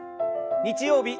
日曜日